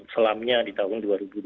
selamnya di tahun dua ribu dua puluh